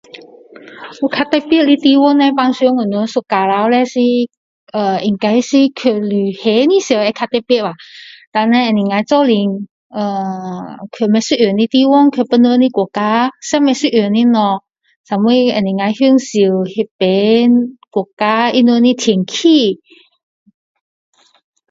有较特别的地方，平常我们一家人是应该是去旅行的时候会较特别，但呢，可能够一起 ahh 去不一样的地方，去別人的国家，吃不一样的物，最后能够享受那边国家它们的天气。